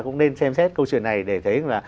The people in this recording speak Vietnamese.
cũng nên xem xét câu chuyện này để thấy là